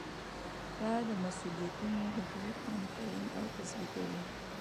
دا د مسؤلیتونو حدود هم تعین او تثبیتوي.